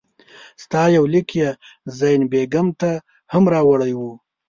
ستا یو لیک یې زین بېګم ته هم راوړی وو.